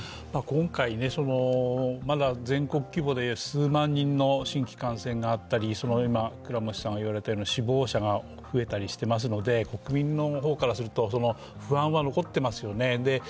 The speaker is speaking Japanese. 今回、全国規模で数万人の新規感染があったり死亡者が増えたりしていますので、国民の方からすると不安は残ってますよね。